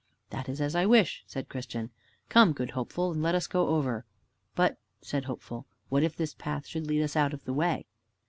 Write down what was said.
"That is as I wish," said Christian. "Come, good Hopeful, and let us go over. "But," said Hopeful, "what if this path should lead us out of the way?"